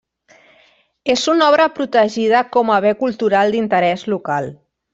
És una obra protegida com a Bé Cultural d'Interès Local.